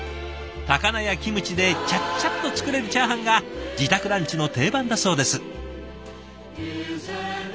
高菜やキムチでちゃっちゃっと作れるチャーハンが自宅ランチの定番だそうです。